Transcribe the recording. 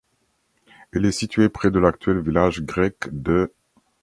Elle est située près de l'actuel village grec d'.